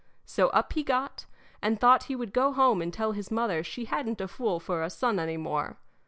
So up he got, and thought he would go home and tell his mother she hadn't a fool for a son any more.